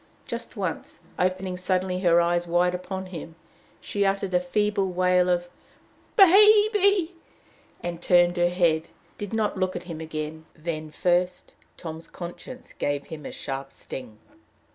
Just once, opening suddenly her eyes wide upon him, she uttered a feeble wail of "Baby!" and, turning her head, did not look at him again. Then, first, Tom's conscience gave him a sharp sting.